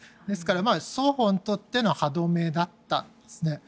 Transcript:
ですから双方にとっての歯止めだったんですね。